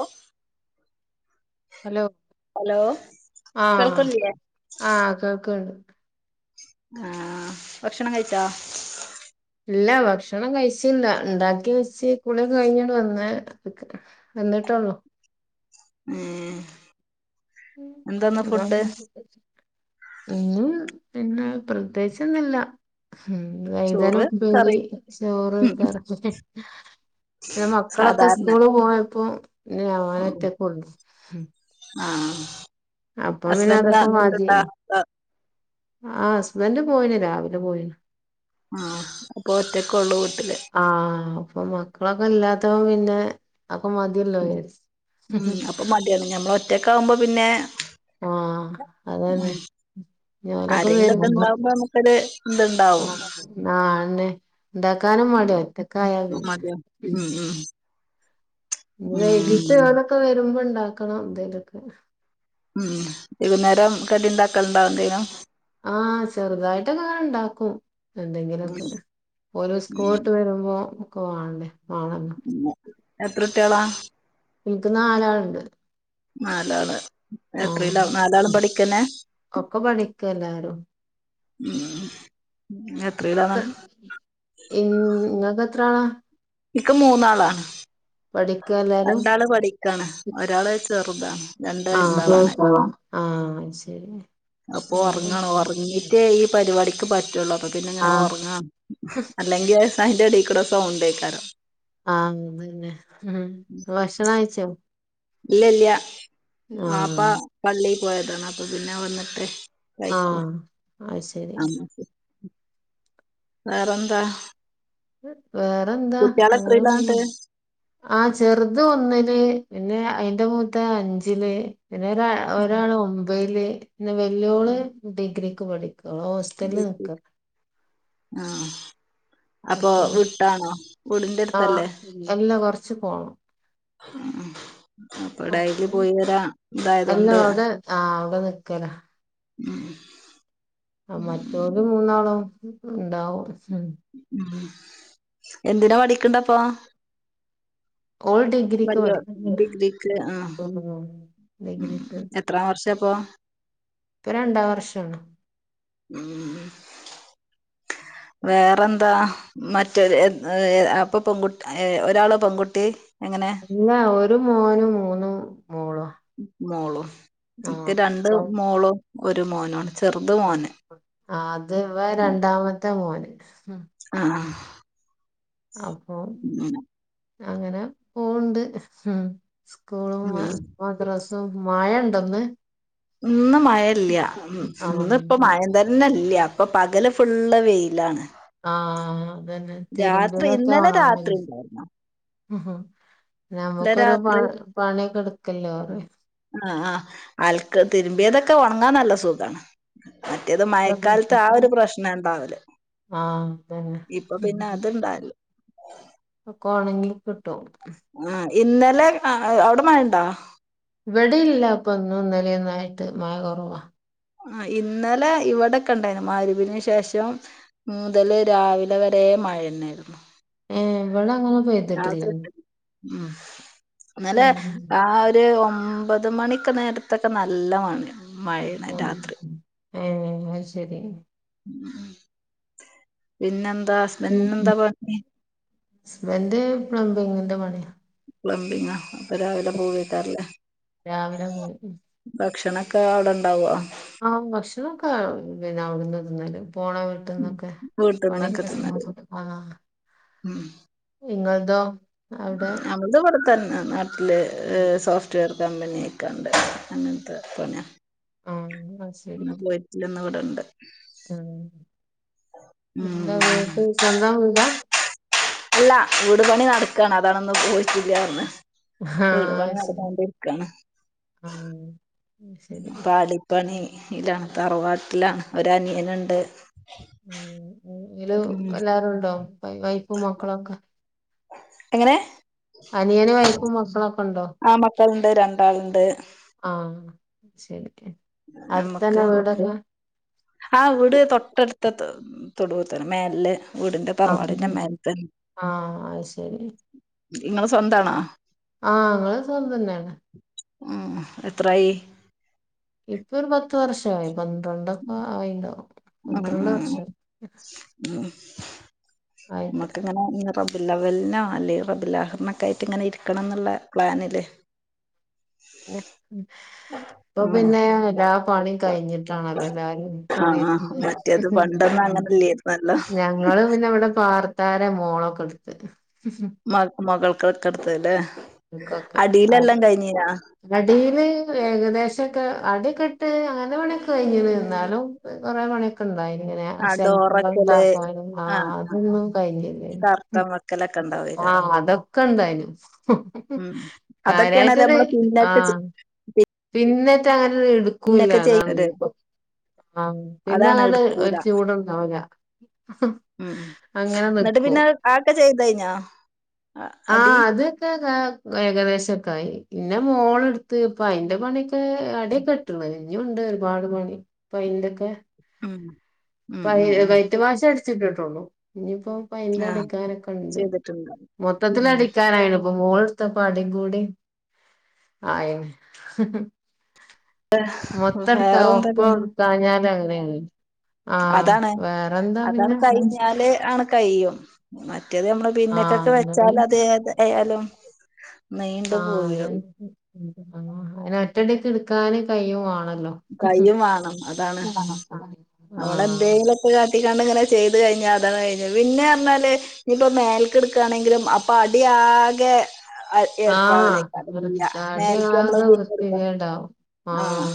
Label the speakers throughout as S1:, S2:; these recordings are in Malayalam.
S1: ഒഹ്
S2: ഹലോ
S1: ഹലോ
S2: ആഹ്
S1: കേൾക്കുന്നില്ലേ
S2: ആഹ് ക്കേൾക്ണ്ട്
S1: ആഹ് ഭക്ഷണം കഴിച്ചോ?
S2: ഇല്ല ഭക്ഷണം കഴിച്ചില്ല ഇണ്ടാക്കി വെച്ച് കൂളിഒക്കെ കഴിഞ്ഞോട്ട് വന്ന ക വന്നിട്ടെള്ളൂ
S1: ഏ
S2: [unintelligible] ഇന്നും പിന്നെ പ്രത്യഗിചെന്നു ഉം വൈതാന
S1: ചോറ്
S2: ഉപ്പേരി
S1: കറി
S2: ചോറ്
S1: ഉം
S2: ക്കറക്ക [unintelligible] പിന്നെ മക്കളൊക്കെ
S1: സാധാരണ
S2: സ്കൂള് പോയപ്പോ
S1: ഉം
S2: രാനറ്റൊക്കെ ഉള്ളു ഉം
S1: ആഹ്
S2: പിന്നെ
S1: ഹസ്ബെൻ് നാ [unintelligible]
S2: ആ ഹസ്ബന്ഡറ് പോയിണ് രാവിലെ പോയിന്
S1: ആഹ അപ്പൊ ഒറ്റക്ക ഉള്ളൂ വീട്ടില്
S2: ആഹ അപ്പൊ മക്കളൊക്കെ ഇല്ലാത്തപ്പ പിന്നെ അപ്പ മ
S1: ഉ ഉ അപ്പൊ മടിയാന് ഞമ്മൾ ഒറ്റക്ക ആകുമ്പോ പിന്നെ
S2: ആഹ് അതന്നെ
S1: ഉം
S2: ഞാനൊക്കെ
S1: ആരെങ്കിലൊക്കെ
S2: വരുമ്പോ
S1: ഇണ്ടാവുമ്പോ നമുക്കൊരു ഇത്ണ്ടാവും
S2: അഹ്‌ അഹന്നെ ഇണ്ടാക്കാനും മടിയ ഒറ്റക്കയാൽ
S1: മടിയാ
S2: ഉ
S1: ഉം ഉം
S2: ന്നി വേകീട്ട്
S1: ഉം
S2: ഓലൊക്കെ വരുമ്പോ ഇണ്ടാക്കണം എന്തേലൊക്കെ
S1: ഉം വൈകുന്നേരം കടിണ്ടാക്കലുണ്ടോ എന്തേങ്കിലും
S2: ആഹ് ചെറുതായിട്ടൊക്കെ ഇങ്ങനെ ഇണ്ടാക്കും
S1: ഉം
S2: എന്തെങ്കിലുക്കെ ഓൽ സ്കൂട്ട് വിട്ട് വരുമ്പോ ഒക്കെ വണ്ണ്ടേ വന്നല്ലോ
S1: എത്ര കുട്ടികളാ
S2: എനിക്ക് നാലാളുണ്ട്
S1: നാലാൾ
S2: ആഹ ഒക്കെ പണിക്ക എല്ലാരും
S1: മ്
S2: ഇങ്ങക്ക് ഈൻ ഇങ്ങക്ക് എത്രള
S1: ഇക്ക് മൂന്നാളാണ്.
S2: പഠിക്ക എല്ലാരും
S1: രണ്ടാള് പഠിക്കാണ് ഒരാള് ചെറുതാണ് രണ്ട്
S2: ആഹ്
S1: വയസാവാനായി.
S2: ആഹ് അഹ്‌ ശരി.
S1: അപ്പൊ ഒറങ്ങണ് ഉറങ്ങീട്ടേ ഈ പരിപാടിക്ക് പറ്റുള്ളൂ അപ്പ പിന്നെങ്ങനെ
S2: ആഹ്
S1: ഒറങ്ങ. അല്ലെങ്കിൽ അഹ്‌ ആയിന്റ എടേക്കുടെ സൗണ്ടേക്കാരം.
S2: ആഹ് അതന്നെ നിങ്ങൾ ഭക്ഷണം കയിച്ചോ?
S1: ഇല്ല ഇല്ല
S2: ആഹ്
S1: വാപ്പാ പള്ളി പോയതാണ് അപ്പൊ പിന്നെ വന്നിട്ടേ. കഴിക്കോ
S2: ആഹ് അത് ശരി
S1: ആ [unintelligible] വേറെന്താ?
S2: വേറെന്താ
S1: കുട്ട്യാള്
S2: അങ്ങനെ
S1: എത്രയിലാ ന്നട്ട്
S2: പോവുന്നു ആഹ് ചെറുത് ഒന്നില് പിന്നെ അയിന്റെ മൂത്തത് അഞ്ചില്. പിന്നെ ഒരാ ഒരാള് ഒമ്പൊയില് വല്യോള് ഡിഗ്രിക്ക് പഠിക്ക ഓള് ഹോസ്
S1: ആഹ്. അപ്പൊ വിട്ടാണോ? വീടിന്റെ അടുത്തല്ലേ?
S2: എല്ലാ കൊർച്ച് പോണം.
S1: ഉം അപ്പൊ ഡൈയില് പോയി വരാ
S2: അല്ല
S1: ഇതായതോണ്ട്.
S2: അവിടെ ആഹ് അവിടെ നിക്കലാ
S1: ഉം
S2: ആ മറ്റൊര് മൂന്നാളും ഇണ്ടാവും.
S1: ഉ എന്തിനാ പഠിക്കണ്ടപ്പൊ.
S2: ഓള് ഡിഗ്രിക്ക്
S1: വല്ല്യോ
S2: പഠിക്കാ
S1: ഡിഗ്രിക്ക് ആഹ്
S2: ഉം
S1: മ്
S2: ഡിഗ്രിക്ക്
S1: [unintelligible] എത്രാം വർഷ ഇപ്പോ?
S2: ഇപ്പ രണ്ടാം വർഷാണ്.
S1: മ് വേറെന്താ? മറ്റ [unintelligible] അപ്പ പെൺ കുട് ഏ ഒരാളോ പെൺകുട്ടി എങ്ങനെ?
S2: അല്ല ഒരു മോനും മൂന്നു മോളും.
S1: മോളും ഇൻക്ക്
S2: ആഹ്
S1: രണ്ട് മോളും ഒരു മോനു ആണ്.
S2: ആ അത് ഇവൻ രണ്ടാമത്തെ മോന് മ്
S1: ആഹ്
S2: അപ്പോ
S1: മ്
S2: അങ്ങനെ പോവ്ണ്ട് മ് സ്കൂളും മാ
S1: ഉം.
S2: മദ്രസും മയ ഇണ്ടോ ഇന്ന്?
S1: ഇന്ന് മയ ഇല്ല
S2: ആഹ്
S1: ഇന്ന് ഇപ്പ മയ തന്നെ ഇല്ല്യാ. ഇപ്പ പകല് ഫുള്ള് വെയിലാണ്.
S2: ആഹ് അതന്നെ
S1: രാത്രി
S2: തിര്മ്പലൊക്കെ
S1: ഇന്നലെ
S2: ഒണങ്ങി.
S1: രാത്രി ഉണ്ടായിരുന്നു ഇന്നലെ
S2: നമ്മുക്കൊരു പ
S1: രാത്രി
S2: പണിയൊക്കെ എടുക്കല്ലോറിയാ.
S1: ആഹ് ആഹ് അൽക്ക് തിരുമ്പിയതൊക്കെ ഒണങ്ങാൻ നല്ല സുഖാണ്. മറ്റേത് മയക്കാലത്ത് ആ ഒരു പ്രശ്ന ഇണ്ടാവല്.
S2: ആഹ് അതന്നെ
S1: അത്ണ്ടാവലില്ല
S2: ഒക്കെ ഒണങ്ങി കിട്ടും.
S1: ആഹ് ഇന്നലെ ആ അവിടെ മയണ്ടോ?
S2: ഇവിടെയില്ല അപ്പ ഇന്നും ഇന്നലേം ഒന്നും ആയിട്ട് മയ കൊറവാ.
S1: ആഹ് ഇന്നലെ ഇവിടെ കണ്ടായിരുന്നു [unintelligible] ശേഷം. മുതല് രാവിലെ വരെ മഴ തന്നെയായിരുന്നു.
S2: ഏഹ് ഇവിടെ അങ്ങനെ പെയ്തിട്ടില്ല
S1: രാത്രി [unintelligible] മ്
S2: ഏ
S1: ഇന്നലെ ആ ഒര് ഒമ്പ ത് മണിക്ക് നേരത്തൊക്കെ നല്ല [unintelligible] രാത്രി
S2: [unintelligible] എഹ് അത് ശെരി.
S1: മ് പിന്നെന്താ സ്
S2: ഹസ്ബൻഡ് പ്ലംബിങിന്റെ പണിയ.
S1: പ്ലംബിങ്ങ അപ്പ രാവിലെ [unintelligible]
S2: രാവിലെ പോകും, മ്
S1: ഭക്ഷണക്കെ അവ്ടെണ്ടാവോ?
S2: ആഹ് ഭക്ഷണൊക്കെ പിന്നെ അവ്ട്ന്ന് തിന്നല്, പോണ [unintelligible] പണി
S1: വീട്ടിന്നൊക്കെ തിന്നത്
S2: [unintelligible] ആഹ് ഇങ്ങൾതോ?
S1: ഞമ്മൾത് ഇവ്ട തന്നെ നാട്ട്ല് സോഫ് റ്റ് വെയർ കമ്പനി ഒക്കെ ഒണ്ട്, അങ്ങൻത്ത പണിയ,
S2: ആ അത്
S1: ഇന്ന് പോയി ഇല്ല ഇന്ന് ഇവ്ട ഉണ്ട്.
S2: ആഹ് എന്താ
S1: ഉം
S2: വീട്ട് സ്വന്തം [unintelligible]
S1: അല്ല വീട് പണി നടക്കാണ്, അതാണ് ഇന്ന് പോയിട്ടില്ല പറഞ്ഞെ.
S2: ഹാ അയ്ശെരി [unintelligible]
S1: പാടിപ്പണിയിലാണ് തറവാട്ട്ലാണ് ഒരനിയന്ണ്ട്.
S2: [unintelligible] എല്ലാരുണ്ടോ വൈ വൈഫും മക്കളൊക്കെ.
S1: എങ്ങനെ?
S2: അനിയന് വൈഫും മക്കളൊക്കണ്ടോ?
S1: ആഹ് മക്കള്ണ്ട് രൺ
S2: ആഹ് ശരി. അട്ത്തന്നെ വീടൊക്കെ?
S1: ആഹ് വീട് തൊട്ടട്ത്ത തൊ തൊടുതന്നെ മേലെ. വീട്ന്റെ തറവാടിന്റെ
S2: ആഹ്
S1: ഇമ്മര്ത്തൻ.
S2: അത് ശരി
S1: നിങ്ങെള് സ്വന്താണോ?
S2: ആഹ് ങ്ങള് സ്വന്തന്നേണ്.
S1: ഉംഹ് എത്രായി?
S2: ഇപ്പോര് പ ത്ത് വർഷായി. പന്ത്രണ്ടൊക്കെ ആയിണ്ടാവും
S1: ഉം ഉം
S2: പന്ത്രണ്ട് വർഷം.
S1: ഉം ഉം
S2: ആയ്
S1: മക്ക്ങ്ങനെ ന്ന് റബീഉൽ അവ്വൽനോ അല്ലെയി റബീഉൽ ആഹിർനൊക്കായ്റ്റ്ങ്ങനെ ഇരിക്കണം ന്ന്ള്ള പ്ലാന്ല്.
S2: ഇപ്പ
S1: ഉം
S2: പിന്നെ എല്ലാ പണീം കയ്ഞ് ട്ടാണല്ലോ എല്ലാരും
S1: ആഹ് ആഹ്
S2: കുടിര്നെ.
S1: മറ്റേത് പണ്ടൊന്നും അങ്ങനെല്ലേരുന്നല്ലോ
S2: ഞ ങ്ങള് പിന്നെ ഇവടെ പാർത്താരേ മോളൊക്കെ ഇട്ത്തത്.
S1: മാക്കും മകൾക്കട്കട്ത്തല്ലെ. അടീലെല്ലാം കയ്ഞ്ഞീനാ?
S2: അടീല് ഏകദേശൊക്കേ അട്യൊക്കെട്ട് അങ്ങനെ പണ്യൊക്കെ കയ്ഞ്ണ് ഇന്നാലും കൊറെ പണ്യൊ ക്കെണ്ടായ്നി ങ്ങനെ
S1: ആഹ്
S2: ഷെൽഫ്കള്
S1: ഡോറക്കല്
S2: ഉണ്ടാക്കാനും ആഹ് അതൊന്നും കഴിഞ്ഞില്ലേനി. ഉം
S1: കർട്ടൻ വെക്കലൊക്കെ
S2: ആഹ് അതൊക്കെണ്ടായ്നി.
S1: ഉംഹ് അതക്കേണല്ലോ നമ്മള് പിന്നേട്ടച്ച്
S2: പിന്നെറ്റെ അങ്ങനെ ഇട്ക്കൂല്ല
S1: പിന്നൊക്കെ
S2: അതാണ്
S1: ചെയ്യല്
S2: ഞ്ഞിപ്പം ആഹ് പിന്നങ്ങട് ഒര് ചൂട്ണ്ടാവുല.
S1: ഉംഹ് ന്നട്ട്
S2: നിക്കും
S1: പിന്നെ അഹ് ആക്കെ ചെയ്തയ്ഞ്ഞോ?
S2: ആഹ് അത്ക്കേ ദാ ഏകദേശൊക്കായി. പിന്നെ മോള്ട്ത്ത് ഇപ്പോ അയ്ന്റെ പണിയൊക്കെ അട്യൊക്ക ട്ട്ണ്. ഇഞ്ഞുണ്ട് ഒര്പാട് പണി പയ്ൻ്റൊക്കെ.
S1: ഉംഹ്
S2: പൈ വെയ്റ്റ് വാഷ് അട്ച്ച്ട്ട്ട്ടോള്ളൂ. ഇഞ്ഞിപ്പോം
S1: ആഹ്
S2: പൈൻ്റടിക്കാനൊക്കെണ്ട്.
S1: ചെയ്തിട്ടുണ്ട് ഉം
S2: മൊത്തത്തിലടിക്കാനായ്ണ് പ്പം മോൾ ത്തെപ്പ അടിം കൂടിം ആയീണ്. മൊത്തട്താ
S1: വേറെന്താ
S2: ഒപ്പ
S1: പിന്നെ
S2: ഇട്ക്കാഞാല് അങ്ങനേണ്.
S1: അതാണ്. അതാണ്
S2: പിന്നെ
S1: കയിഞ്ഞാല് ആണ് കയ്യും. മറ്റേത് ഞമ്മള് പിന്നക്കക്ക്
S2: ആഹ് എന്നാ പിന്നെ
S1: വെച്ചാല് അത് ഏതായാലും
S2: ആഹ് അതൻ [unintelligible] അതയ്‌ന് ഒറ്റടിക്ക് ഇട്ക്കാന് കയ്യും വേണല്ലോ.
S1: കയ്യും വാണം. അതാണ്.
S2: ആഹ്
S1: അവ്ടെന്തേങ്കിലൊ ത്തേ കാട്ടിക്കാണ്ടിങ്ങനെ ചെയ്ത് കഴിഞ്ഞാ അതാണ് കഴിഞ്ഞു. പിന്നേ പർഞ്ഞാല് ഇനിപ്പൊ മേലക്ക് ഇട്ക്കാണെങ്കിലും അപ്പൊ അടി ആകെ അഹ്
S2: ആഹ്
S1: എര്പ്പാവലേക്കാരം
S2: വൃത്തി
S1: ചെയ്യ. മേലക്ക്
S2: തടിയാകെ
S1: ഞമ്മളത് പിന്നെട്ക്കാ
S2: വൃത്തികേടാവും ആഹ്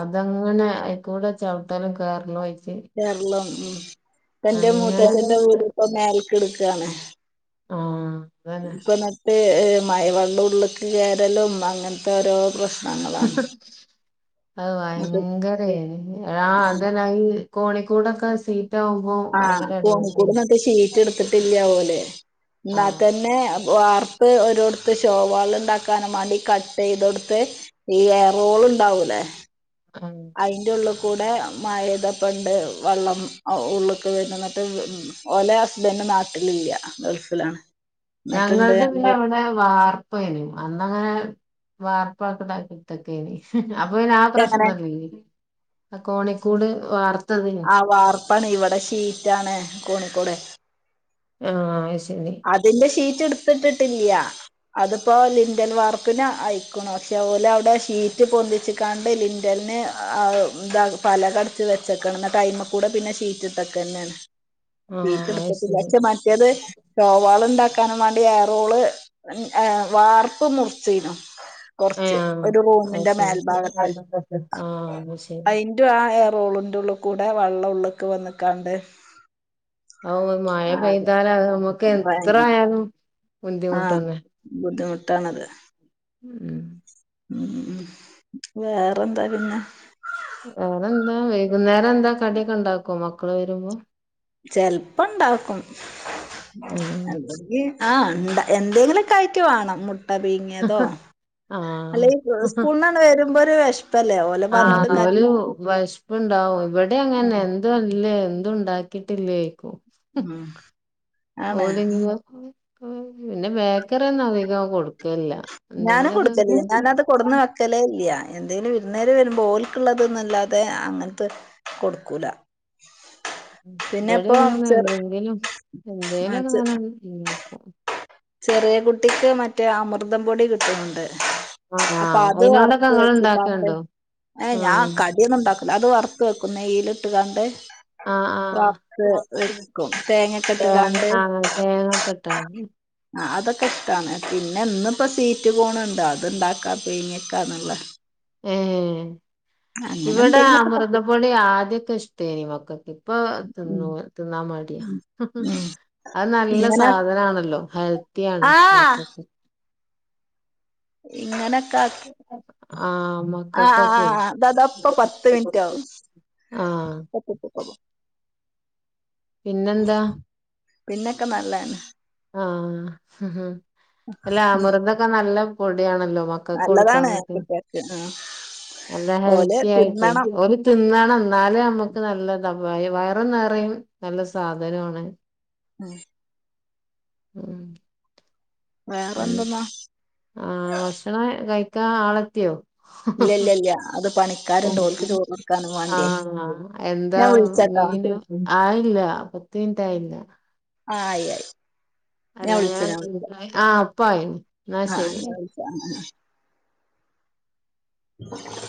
S2: അതങ്ങനെ അയ്കൂടെ ചവിട്ടലും കേറലും ആയ്റ്റ്
S1: കേറലും ഉം. ഇപ്പെന്റെ മൂത്തച്ഛന്റെ
S2: അങ്ങനെ
S1: വീട് പ്പം മേലക്ക് ഇട്ക്കാണ്.
S2: ആഹ്. അതന്നെ
S1: ഇപ്പ ന്നട്ട് ഏഹ് മഴവെള്ളം ഉള്ള്ക്ക് കേരലും അങ്ങൻത്തെ ഓരോ പ്രശ്
S2: അത്
S1: എന്നിട്ട്
S2: ഭയങ്കരേനി ആഹ് അതന്നെ അഹ് കോണിക്കൂടൊക്കെ സീറ്റാവും
S1: ആഹ് കോണിക്കൂട് ന്ന്ട്ട് ഷീറ്റ് ഇടുത്തിട്ടില്ല ഓലെ
S2: ആഹ്
S1: ന്നാതന്നേ വാർത്ത് ഒരോട്ത്ത് ഷോവാള് ണ്ടാക്കാനും മാണ്ടി കട്ടയ്തൊട്ത്ത് ഈ ഏ റോള് ണ്ടാവൂലേ.
S2: ആഹ്.
S1: അയ്ൻ്റെ ഉള്ള് കൂടെ മയയ്തപ്പണ്ട് വള്ളം ഉള്ള്ക്ക് വര്ണു ന്ന്ട്ട് ഓലെ ഹസ്ബൻഡ് നാട്ടിലില്ല്യ ഗൾഫിലാണ്. എന്നിട്ടുണ്ട്
S2: ഞങ്ങൾടെ പിന്നെ
S1: ഞമ്മ
S2: ഇവടെ വാർപ്പേനു അന്നങ്ങനെ വാർപ്പൊക്കെ [unintelligible] അപ്പൊ പിന്നെ ആ
S1: എങ്ങനെ
S2: പ്രശ്നല്ലേ കോണിക്കൂട് വാർത്തത്
S1: ആ വാർപ്പാണ് ഇവടെ ഷീറ്റാണ് കോണികൊട്
S2: ആഹ് അയ് ശരി.
S1: അതിന്റെ ഷീറ്റ് ഇട്ത്ത്ട്ട്ട്ടില്ല്യാ. അത്പോ ലിന്റെൽ വാർപ്പിന് അയ്ക്ക്ണു പക്ഷെ ഓല് അവടെ ഷീറ്റ് പൊന്തിച്ച് കാണ്ട് ലിന്റെൽന് അയ് ന്താ പലക അട്ച്ച് വെച്ച്ക്കാണ് ന്ന്ട്ട് അയ്മകൂടെ പിന്നെ ഷീറ്റ്ട്ട്ക്കന്നേണ്.
S2: ആഹ് അത്
S1: [unintelligible]
S2: ശരി
S1: പക്ഷെ മറ്റേത് ഷോവാള് ണ്ടാക്കാനും വേണ്ടി ഏറോള് വാർപ്പ് മുർച്ചീന്നു. കൊർച്ച്
S2: ഏഹ്
S1: ഒരു
S2: അത്
S1: റൂമിന്റെ
S2: ശരി
S1: മേൽഭാഗത്ത്
S2: ആഹ് അത് ശരി
S1: അയിൻ ആ ഏറോള്ന്റ് ഉള്ളുകൂടെ വള്ളം ഉള്ള്ക്ക് വന്ന്ക്കാണ്ട്
S2: ഔ മഴ പെയ്താല അയ്മ്മക്ക് എത്ര ആയാലും
S1: ആഹ്
S2: ബുദ്ധിമുട്ടന്നെ
S1: ബുദ്ധിമുട്ടാണത്.
S2: ഉം.
S1: ഉം വേറെന്താ പിന്നെ?
S2: വേറെ എന്താ വൈകുന്നേരം ന്താ കടിക്കെ ണ്ടാക്കുവോ മക്കള് വരുമ്പോ?
S1: ചെൽപ്പണ്ടാക്കും
S2: ഉം
S1: അല്ലെങ്കി ആഹ് ണ്ടാ എന്തെങ്കി ലൊക്കായ്റ്റ് വാണം മു ട്ട പീങ്യാതോ അല്ല
S2: ആഹ്
S1: ഈ സ്കൂൾന്നട് വരുമ്പോ ഒരു വേഷ്പല്ലേ ഓ
S2: ആഹ്, ഒരു വേഷ്പ്ണ്ടാവും ഇവടിം
S1: ഉം
S2: അങ്ങനെ തല്ലേ എന്തും ണ്ടാക്കിട്ടില്ലേയ്ക്കും.
S1: ഉം ആണ്
S2: ഓലെങ്ങ പിന്നെ ബേക്കറി ഒന്നും അധികം കൊടുക്കല്ല.
S1: ഞാനും കൊടുക്കലില്ലാ ഞാനത് കൊട്ന്ന് വെക്കലേ ഇല്ല്യാ, എന്തേലും വിര്ന്നേര് വരുമ്പോ ഓൽക്ക്ള്ളത് ന്നല്ലാതെ അങ്ങൻത്തെ കൊടുക്കൂലാ.
S2: ബടിം അങ്ങനെ എന്തേലും എന്തേലൊ
S1: ആഹ്
S2: ന്ന്ങ്ങനെ ണ്ടാക്കും.
S1: ചെറിയേ കുട്ടിക്ക് മറ്റേ അമൃതം പൊടി ക്ട്ട്ണ് ണ്ട്.
S2: ആഹ്
S1: അപ്പൊ
S2: ആഹ്
S1: അത്
S2: അയിനോടൊക്കെ
S1: വർത്ത്
S2: ഇങ്ങള്
S1: വെച്ച്ക്കാണ്ട്
S2: ഇണ്ടാക്കല്ണ്ടോ
S1: ഏഹ് ഞാ
S2: ആഹ്
S1: ക ടി ന്നുണ്ടാക്കൂലാ അത് വർത്ത് വെക്കും നെയ്യില്ട്ട് ങ്ങാണ്ട്
S2: ആഹ്
S1: വക്ക്
S2: ആഹ്
S1: വെക്കും തേങ്ങക്കെ ഇട്ട്ങ്ങാണ്ട്
S2: തേങ്ങക്കെ ഇട്ട്
S1: ആഹ് അതൊക്കെ ഇഷ്ടാണ്, പിന്നെ ന്ന്പ്പോ സീറ്റ് കോണ് ണ്ട് അത്ണ്ടാക്കാ പീങ്ങ്യക്കാന്ന്ള്ളേ
S2: ഏഹ്
S1: അങ്ങനെ
S2: ഇവടെ
S1: എന്തെങ്കിലൊക്കെ തട്ടി
S2: അമൃതപൊടി ആദ്യൊക്കെ ഇഷ്ടേനി മക്കക്ക്. പ്പൊ ത്
S1: ഉം
S2: ന്നൂ ത് ന്നാം മടിയാ.
S1: ഉം ഉം
S2: അത് ന്നല്ല
S1: ഇങ്ങനെ
S2: സാധനാണല്ലോ ഹെൽത്തി ആണ്
S1: ആ
S2: മക്കക്ക്.
S1: ഇങ്ങനെക്കെ
S2: ആഹ്
S1: ആഹ് ആ
S2: മക്കൾക്കൊക്കെ
S1: ആആ ത താപ്പൊ പത്ത് മിൻറ്റ് ആവും.
S2: ആഹ്
S1: [unintelligible]
S2: പിന്നെന്താ?
S1: പിന്നൊക്കെ നല്ലന്നെ
S2: ആഹ് അല്ല അമൃതൊക്കെ നല്ല പൊടിയണല്ലോ മക്ക ക്ക്
S1: നല്ലതാണ്
S2: കൊടുക്കാനൊക്കെ
S1: കുട്ടികൾക്ക് ആ
S2: നല്ല
S1: ഓല്
S2: ഹെൽത്തിയായിട്ടെ
S1: തിന്നണം
S2: ഓല് തിന്നണം ഇന്നാലേ നമ്മുക്ക് നല്ലതാ വയറും നിറയും നല്ല സാധനുവാണ്
S1: ഉം
S2: ഉം
S1: വേറെന്തെന്നാ?
S2: ആ ഭക്ഷണം കഴിക്കാനാളെത്തിയോ?
S1: ഇല്ല്യല്ല്യല്ല്യ അത് പണിക്കാര്ണ്ട് ഓൽക്ക് ചോറ്നൊട്ക്ക
S2: ആഹ് എന്താ
S1: വിളിച്ചട്ടോ
S2: മീണ്ട ആയില്ല പത്ത് മിനിറ്റായില്ല
S1: ആയി ആയി
S2: അല്ല ഞാൻ ആഹ് ഇപ്പായീണ്
S1: ആഹ് ഇന്നാ വിളിച്ചാ ഹ ഹ ഹാ [inaudible]